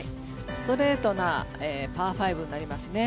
ストレートなパー５になりますね。